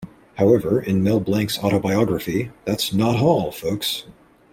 However, in Mel Blanc's autobiography, That's Not All Folks!